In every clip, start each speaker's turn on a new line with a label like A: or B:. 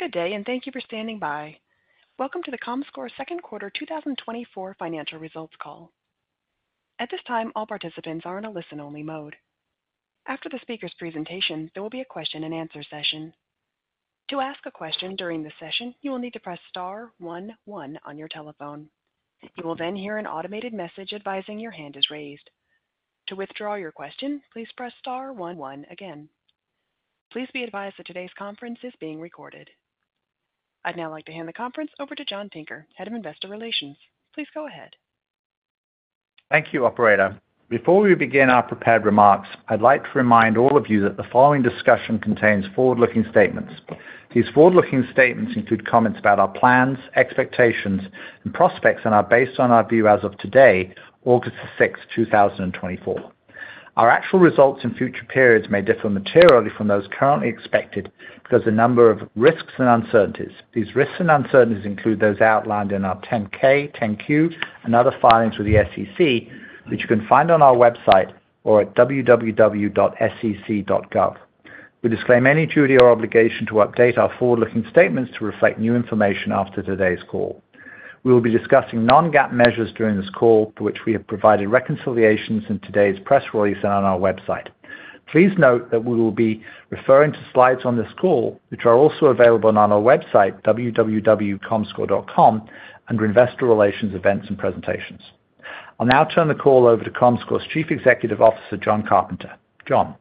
A: Good day, and thank you for standing by. Welcome to the Comscore Second Quarter 2024 financial results call. At this time, all participants are in a listen-only mode. After the speaker's presentation, there will be a question-and-answer session. To ask a question during the session, you will need to press star one one on your telephone. You will then hear an automated message advising your hand is raised. To withdraw your question, please press star one one again. Please be advised that today's conference is being recorded. I'd now like to hand the conference over to John Tinker, Head of Investor Relations. Please go ahead.
B: Thank you, operator. Before we begin our prepared remarks, I'd like to remind all of you that the following discussion contains forward-looking statements. These forward-looking statements include comments about our plans, expectations, and prospects and are based on our view as of today, August 6, 2024. Our actual results in future periods may differ materially from those currently expected because a number of risks and uncertainties. These risks and uncertainties include those outlined in our 10-K, 10-Q, and other filings with the SEC, which you can find on our website or at www.sec.gov. We disclaim any duty or obligation to update our forward-looking statements to reflect new information after today's call. We will be discussing non-GAAP measures during this call, for which we have provided reconciliations in today's press release and on our website. Please note that we will be referring to slides on this call, which are also available on our website, www.comscore.com, under Investor Relations, Events and Presentations. I'll now turn the call over to Comscore's Chief Executive Officer, Jon Carpenter. Jon?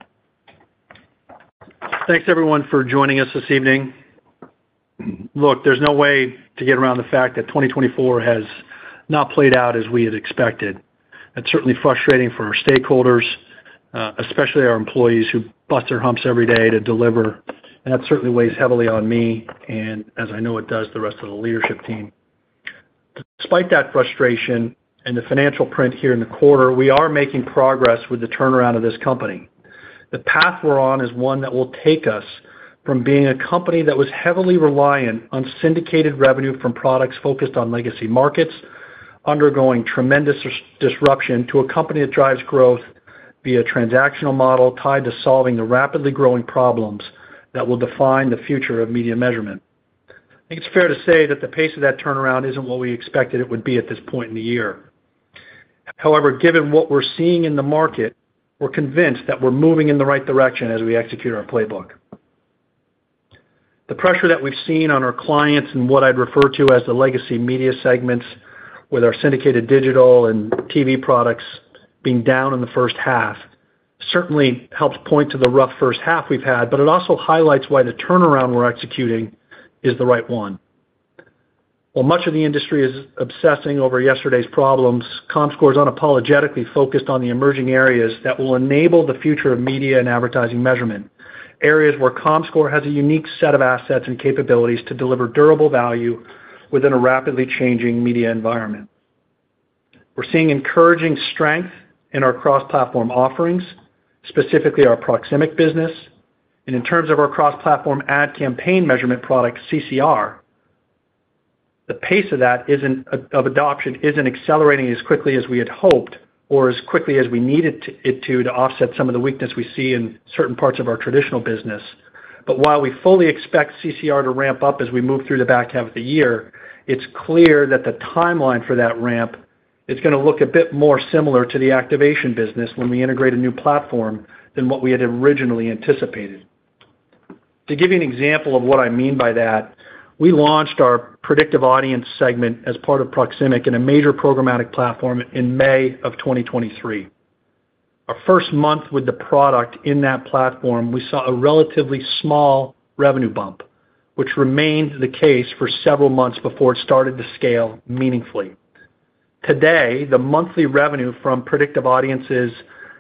C: Thanks, everyone, for joining us this evening. Look, there's no way to get around the fact that 2024 has not played out as we had expected. It's certainly frustrating for our stakeholders, especially our employees, who bust their humps every day to deliver, and that certainly weighs heavily on me, and as I know it does, the rest of the leadership team. Despite that frustration and the financial print here in the quarter, we are making progress with the turnaround of this company. The path we're on is one that will take us from being a company that was heavily reliant on syndicated revenue from products focused on legacy markets, undergoing tremendous disruption to a company that drives growth via transactional model tied to solving the rapidly growing problems that will define the future of media measurement. I think it's fair to say that the pace of that turnaround isn't what we expected it would be at this point in the year. However, given what we're seeing in the market, we're convinced that we're moving in the right direction as we execute our playbook. The pressure that we've seen on our clients and what I'd refer to as the legacy media segments, with our syndicated digital and TV products being down in the first half, certainly helps point to the rough first half we've had, but it also highlights why the turnaround we're executing is the right one. While much of the industry is obsessing over yesterday's problems, Comscore is unapologetically focused on the emerging areas that will enable the future of media and advertising measurement. Areas where Comscore has a unique set of assets and capabilities to deliver durable value within a rapidly changing media environment. We're seeing encouraging strength in our cross-platform offerings, specifically our Proximic business, and in terms of our cross-platform ad campaign measurement product, CCR. The pace of that adoption isn't accelerating as quickly as we had hoped or as quickly as we needed it to, to offset some of the weakness we see in certain parts of our traditional business. But while we fully expect CCR to ramp up as we move through the back half of the year, it's clear that the timeline for that ramp is gonna look a bit more similar to the activation business when we integrate a new platform than what we had originally anticipated. To give you an example of what I mean by that, we launched our predictive audience segment as part of Proximic in a major programmatic platform in May of 2023. Our first month with the product in that platform, we saw a relatively small revenue bump, which remained the case for several months before it started to scale meaningfully. Today, the monthly revenue from Predictive Audiences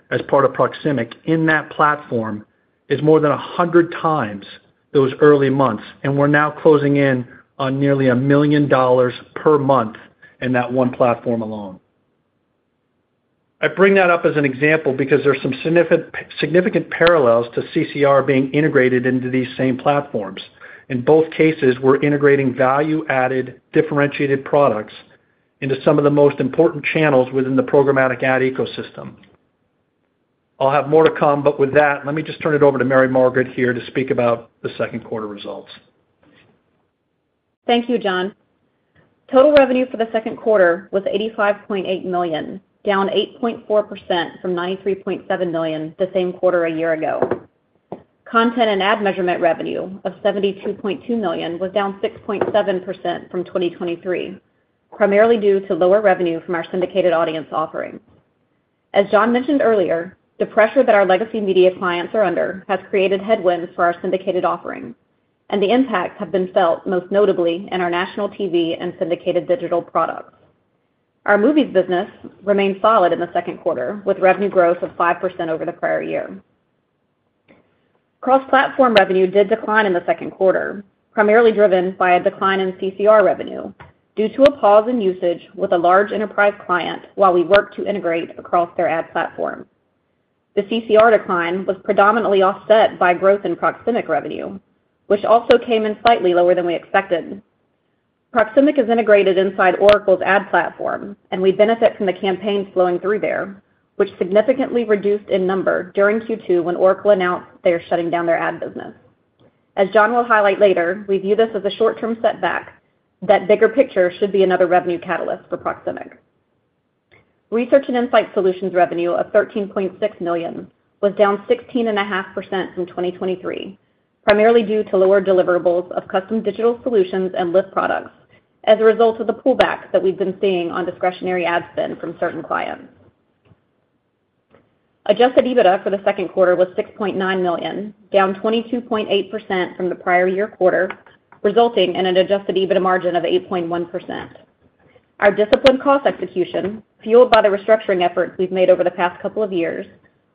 C: as part of Proximic in that platform is more than 100 times those early months, and we're now closing in on nearly $1 million per month in that one platform alone. I bring that up as an example because there are some significant parallels to CCR being integrated into these same platforms. In both cases, we're integrating value-added, differentiated products into some of the most important channels within the programmatic ad ecosystem. I'll have more to come, but with that, let me just turn it over to Mary Margaret here to speak about the second quarter results.
D: Thank you, Jon. Total revenue for the second quarter was $85.8 million, down 8.4% from $93.7 million the same quarter a year ago. Content and Ad Measurement revenue of $72.2 million was down 6.7% from 2023, primarily due to lower revenue from our syndicated audience offerings. As Jon mentioned earlier, the pressure that our legacy media clients are under has created headwinds for our syndicated offerings, and the impacts have been felt, most notably in our national TV and syndicated digital products. Our movies business remained solid in the second quarter, with revenue growth of 5% over the prior year. Cross-platform revenue did decline in the second quarter, primarily driven by a decline in CCR revenue due to a pause in usage with a large enterprise client while we work to integrate across their ad platform. The CCR decline was predominantly offset by growth in Proximic revenue, which also came in slightly lower than we expected. Proximic is integrated inside Oracle's ad platform, and we benefit from the campaigns flowing through there, which significantly reduced in number during Q2 when Oracle announced they are shutting down their ad business. As Jon will highlight later, we view this as a short-term setback, that bigger picture should be another revenue catalyst for Proximic. Research and Insight Solutions revenue of $13.6 million was down 16.5% from 2023, primarily due to lower deliverables of custom digital solutions and lift products as a result of the pullback that we've been seeing on discretionary ad spend from certain clients. Adjusted EBITDA for the second quarter was $6.9 million, down 22.8% from the prior year quarter, resulting in an adjusted EBITDA margin of 8.1%. Our disciplined cost execution, fueled by the restructuring efforts we've made over the past couple of years,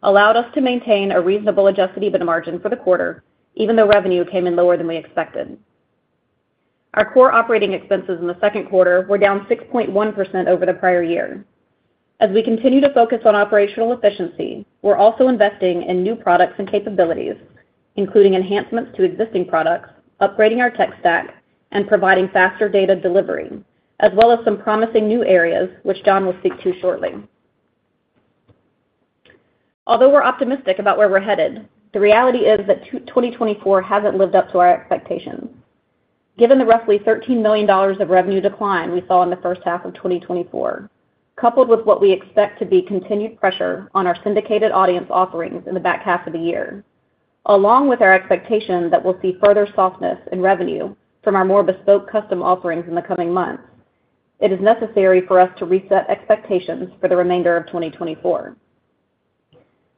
D: allowed us to maintain a reasonable adjusted EBITDA margin for the quarter, even though revenue came in lower than we expected. Our core operating expenses in the second quarter were down 6.1% over the prior year. As we continue to focus on operational efficiency, we're also investing in new products and capabilities, including enhancements to existing products, upgrading our tech stack, and providing faster data delivery, as well as some promising new areas, which Jon will speak to shortly. Although we're optimistic about where we're headed, the reality is that 2024 hasn't lived up to our expectations. Given the roughly $13 million of revenue decline we saw in the first half of 2024, coupled with what we expect to be continued pressure on our syndicated audience offerings in the back half of the year, along with our expectation that we'll see further softness in revenue from our more bespoke custom offerings in the coming months, it is necessary for us to reset expectations for the remainder of 2024.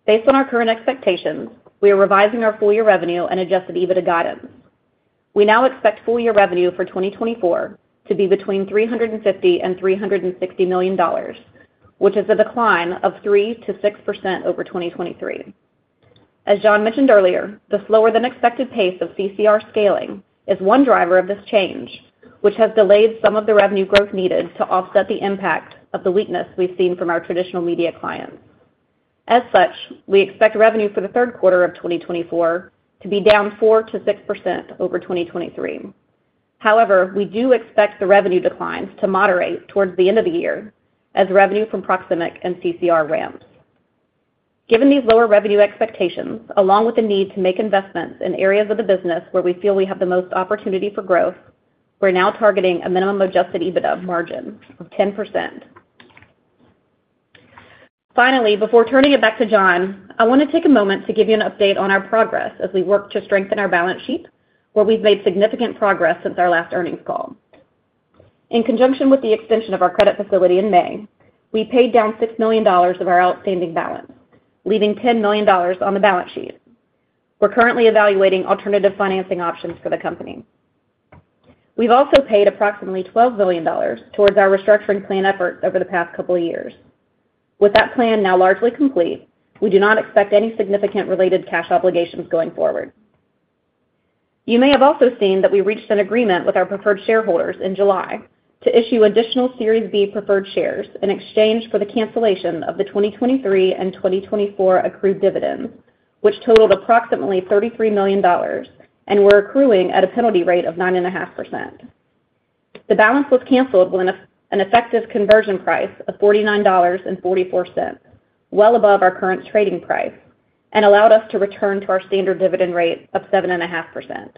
D: Based on our current expectations, we are revising our full year revenue and Adjusted EBITDA guidance. We now expect full year revenue for 2024 to be between $350 million and $360 million, which is a decline of 3%-6% over 2023. As Jon mentioned earlier, the slower than expected pace of CCR scaling is one driver of this change, which has delayed some of the revenue growth needed to offset the impact of the weakness we've seen from our traditional media clients. As such, we expect revenue for the third quarter of 2024 to be down 4%-6% over 2023. However, we do expect the revenue declines to moderate towards the end of the year as revenue from Proximic and CCR ramps. Given these lower revenue expectations, along with the need to make investments in areas of the business where we feel we have the most opportunity for growth, we're now targeting a minimum Adjusted EBITDA margin of 10%. Finally, before turning it back to Jon, I want to take a moment to give you an update on our progress as we work to strengthen our balance sheet, where we've made significant progress since our last earnings call. In conjunction with the extension of our credit facility in May, we paid down $6 million of our outstanding balance, leaving $10 million on the balance sheet. We're currently evaluating alternative financing options for the company. We've also paid approximately $12 million towards our restructuring plan efforts over the past couple of years. With that plan now largely complete, we do not expect any significant related cash obligations going forward. You may have also seen that we reached an agreement with our preferred shareholders in July to issue additional Series B preferred shares in exchange for the cancellation of the 2023 and 2024 accrued dividends, which totaled approximately $33 million and were accruing at a penalty rate of 9.5%. The balance was canceled at an effective conversion price of $49.44, well above our current trading price, and allowed us to return to our standard dividend rate of 7.5%.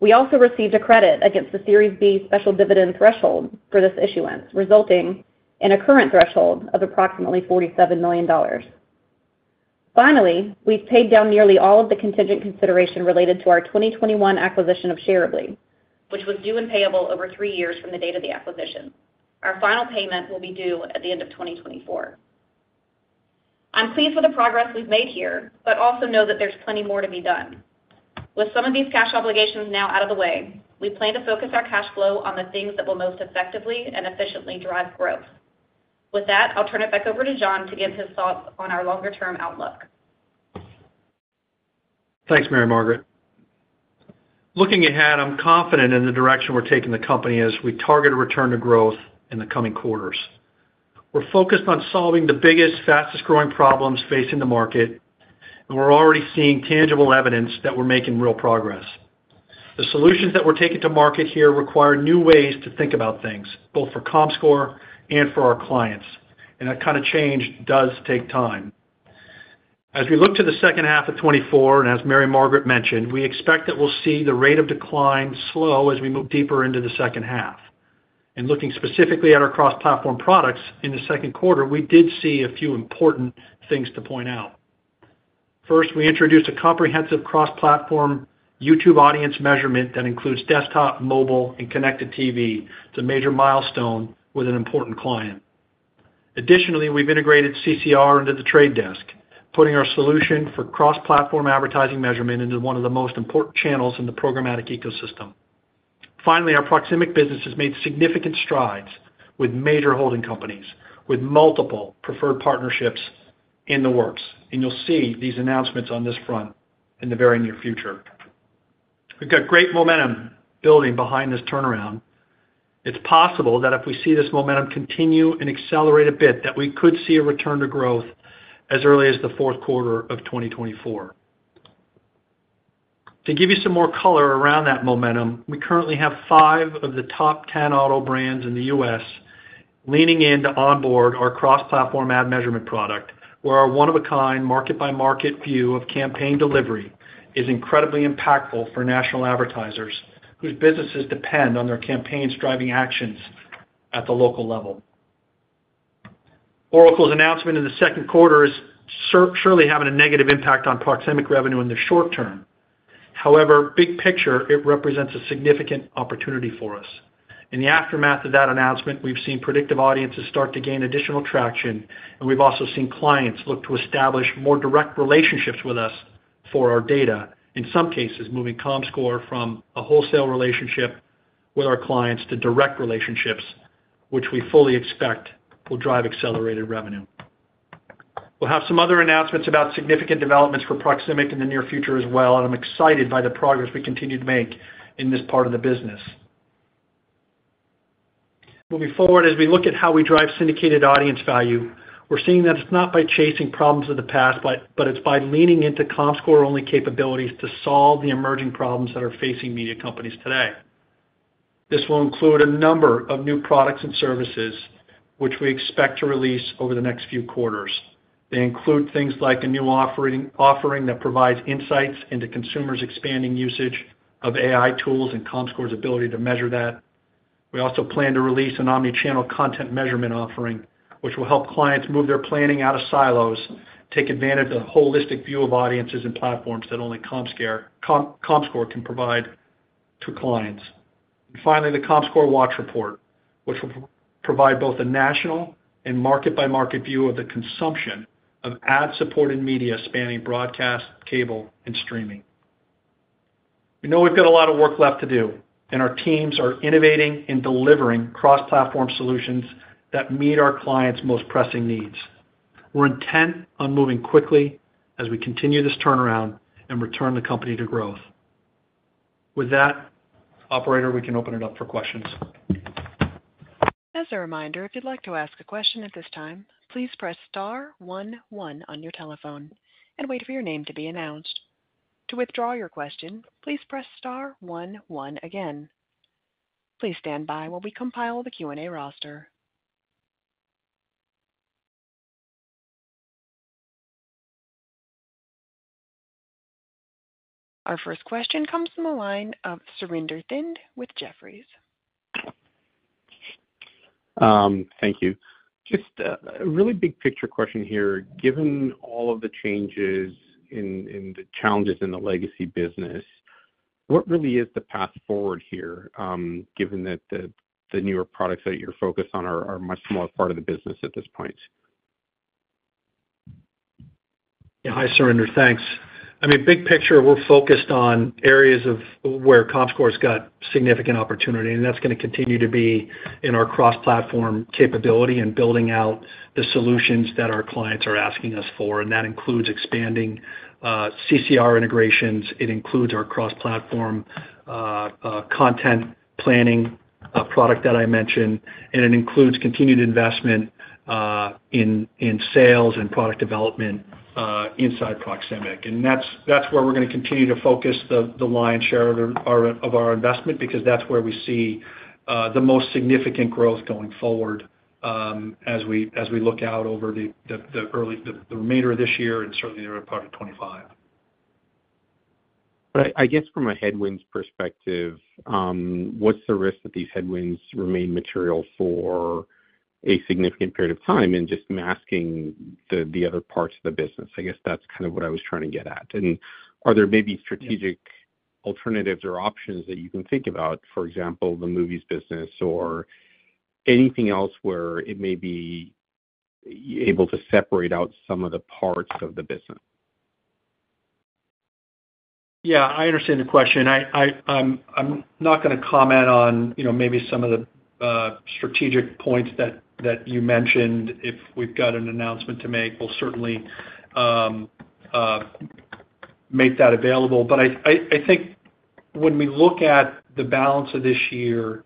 D: We also received a credit against the Series B special dividend threshold for this issuance, resulting in a current threshold of approximately $47 million. Finally, we've paid down nearly all of the contingent consideration related to our 2021 acquisition of Shareablee, which was due and payable over three years from the date of the acquisition. Our final payment will be due at the end of 2024. I'm pleased with the progress we've made here, but also know that there's plenty more to be done. With some of these cash obligations now out of the way, we plan to focus our cash flow on the things that will most effectively and efficiently drive growth. With that, I'll turn it back over to Jon to give his thoughts on our longer-term outlook.
C: Thanks, Mary Margaret. Looking ahead, I'm confident in the direction we're taking the company as we target a return to growth in the coming quarters. We're focused on solving the biggest, fastest-growing problems facing the market, and we're already seeing tangible evidence that we're making real progress. The solutions that we're taking to market here require new ways to think about things, both for Comscore and for our clients, and that kind of change does take time. As we look to the second half of 2024, and as Mary Margaret mentioned, we expect that we'll see the rate of decline slow as we move deeper into the second half. In looking specifically at our cross-platform products, in the second quarter, we did see a few important things to point out. First, we introduced a comprehensive cross-platform YouTube audience measurement that includes desktop, mobile, and connected TV. It's a major milestone with an important client. Additionally, we've integrated CCR into The Trade Desk, putting our solution for cross-platform advertising measurement into one of the most important channels in the programmatic ecosystem. Finally, our Proximic business has made significant strides with major holding companies, with multiple preferred partnerships in the works, and you'll see these announcements on this front in the very near future. We've got great momentum building behind this turnaround. It's possible that if we see this momentum continue and accelerate a bit, that we could see a return to growth as early as the fourth quarter of 2024.... To give you some more color around that momentum, we currently have 5 of the top 10 auto brands in the US leaning in to onboard our cross-platform ad measurement product, where our one-of-a-kind market-by-market view of campaign delivery is incredibly impactful for national advertisers whose businesses depend on their campaigns driving actions at the local level. Oracle's announcement in the second quarter is surely having a negative impact on Proximic revenue in the short term. However, big picture, it represents a significant opportunity for us. In the aftermath of that announcement, we've seen Predictive Audiences start to gain additional traction, and we've also seen clients look to establish more direct relationships with us for our data, in some cases, moving Comscore from a wholesale relationship with our clients to direct relationships, which we fully expect will drive accelerated revenue. We'll have some other announcements about significant developments for Proximic in the near future as well, and I'm excited by the progress we continue to make in this part of the business. Moving forward, as we look at how we drive syndicated audience value, we're seeing that it's not by chasing problems of the past, but it's by leaning into Comscore-only capabilities to solve the emerging problems that are facing media companies today. This will include a number of new products and services, which we expect to release over the next few quarters. They include things like a new offering that provides insights into consumers' expanding usage of AI tools and Comscore's ability to measure that. We also plan to release an omni-channel content measurement offering, which will help clients move their planning out of silos, take advantage of the holistic view of audiences and platforms that only Comscore can provide to clients. And finally, the Comscore Watch Report, which will provide both a national and market-by-market view of the consumption of ad-supported media, spanning broadcast, cable, and streaming. We know we've got a lot of work left to do, and our teams are innovating and delivering cross-platform solutions that meet our clients' most pressing needs. We're intent on moving quickly as we continue this turnaround and return the company to growth. With that, operator, we can open it up for questions.
A: As a reminder, if you'd like to ask a question at this time, please press star one one on your telephone and wait for your name to be announced. To withdraw your question, please press star one one again. Please stand by while we compile the Q&A roster. Our first question comes from the line of Surinder Thind with Jefferies.
E: Thank you. Just a really big picture question here. Given all of the changes in the challenges in the legacy business, what really is the path forward here, given that the newer products that you're focused on are much smaller part of the business at this point?
C: Yeah. Hi, Surinder. Thanks. I mean, big picture, we're focused on areas of where Comscore's got significant opportunity, and that's going to continue to be in our cross-platform capability and building out the solutions that our clients are asking us for, and that includes expanding CCR integrations. It includes our cross-platform content planning product that I mentioned, and it includes continued investment in sales and product development inside Proximic. And that's where we're going to continue to focus the lion's share of our investment, because that's where we see the most significant growth going forward, as we look out over the remainder of this year and certainly the early part of 2025.
E: But I guess from a headwinds perspective, what's the risk that these headwinds remain material for a significant period of time and just masking the other parts of the business? I guess that's kind of what I was trying to get at. And are there maybe strategic alternatives or options that you can think about, for example, the movies business or anything else where it may be able to separate out some of the parts of the business?
C: Yeah, I understand the question. I'm not going to comment on, you know, maybe some of the strategic points that you mentioned. If we've got an announcement to make, we'll certainly make that available. But I think when we look at the balance of this year,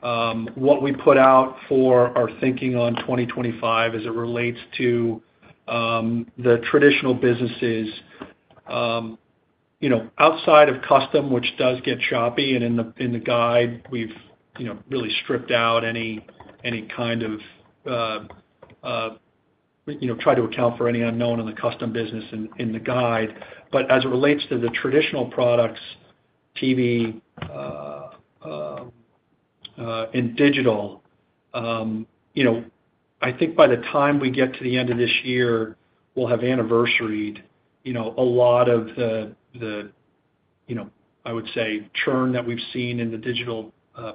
C: what we put out for our thinking on 2025 as it relates to the traditional businesses, you know, outside of custom, which does get choppy, and in the guide, we've, you know, really stripped out any kind of, you know, try to account for any unknown in the custom business in the guide. But as it relates to the traditional products, TV, and digital, you know, I think by the time we get to the end of this year, we'll have anniversaried, you know, a lot of the you know, I would say, churn that we've seen in the digital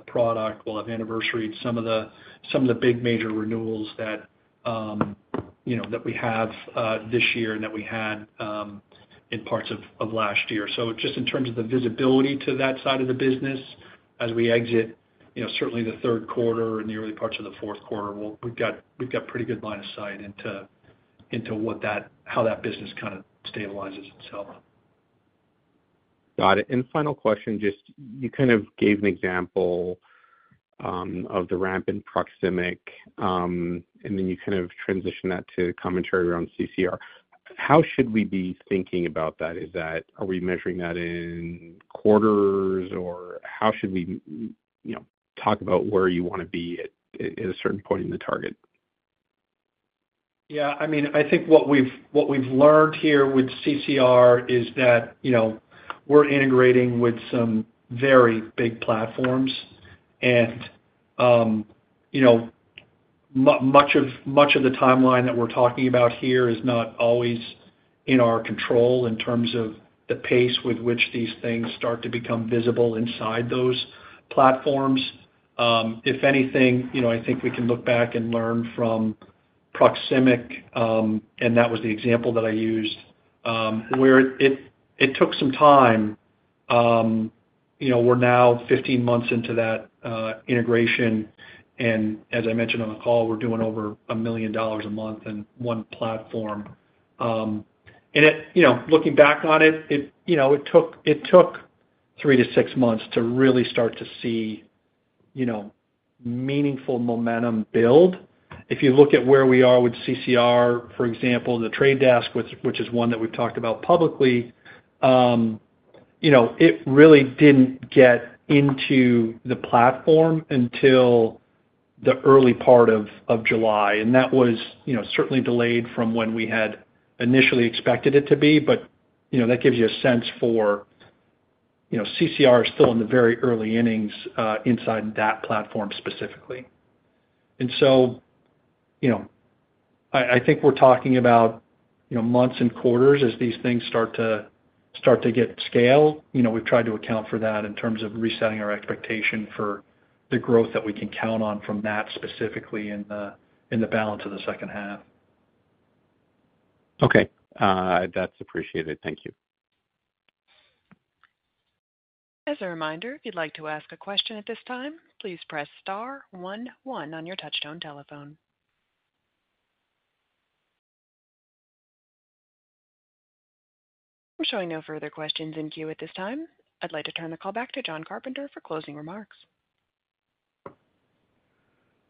C: product. We'll have anniversaried some of the big major renewals that, you know, that we have this year and that we had in parts of last year. So just in terms of the visibility to that side of the business, as we exit, you know, certainly the third quarter and the early parts of the fourth quarter, we've got pretty good line of sight into how that business kind of stabilizes itself.
E: Got it. Final question, just you kind of gave an example of the ramp in Proximic, and then you kind of transition that to commentary around CCR. How should we be thinking about that? Are we measuring that in quarters, or how should we, you know, talk about where you want to be at a certain point in the target?
C: Yeah, I mean, I think what we've learned here with CCR is that, you know, we're integrating with some very big platforms, and, you know, much of the timeline that we're talking about here is not always in our control in terms of the pace with which these things start to become visible inside those platforms. If anything, you know, I think we can look back and learn from Proximic, and that was the example that I used, where it took some time. You know, we're now 15 months into that integration, and as I mentioned on the call, we're doing over $1 million a month in one platform. And it, you know, looking back on it, it, you know, it took, it took three to six months to really start to see, you know, meaningful momentum build. If you look at where we are with CCR, for example, in The Trade Desk, which is one that we've talked about publicly, you know, it really didn't get into the platform until the early part of July, and that was, you know, certainly delayed from when we had initially expected it to be. But, you know, that gives you a sense for, you know, CCR is still in the very early innings inside that platform specifically. And so, you know, I think we're talking about, you know, months and quarters as these things start to get scale. You know, we've tried to account for that in terms of resetting our expectation for the growth that we can count on from that specifically in the balance of the second half.
E: Okay, that's appreciated. Thank you.
A: As a reminder, if you'd like to ask a question at this time, please press star one one on your touchtone telephone. I'm showing no further questions in queue at this time. I'd like to turn the call back to Jon Carpenter for closing remarks.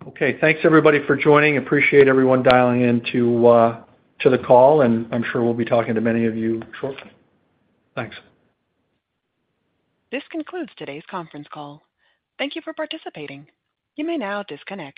C: Okay. Thanks, everybody, for joining. Appreciate everyone dialing in to the call, and I'm sure we'll be talking to many of you shortly. Thanks.
A: This concludes today's conference call. Thank you for participating. You may now disconnect.